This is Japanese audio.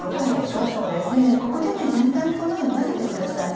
ここで全体にこんなふうに混ぜてください。